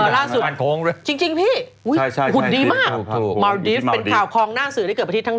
ล่าสุดจริงพี่หุ่นดีมากมาลดิฟต์เป็นข่าวคองหน้าสื่อได้เกิดประทิตย์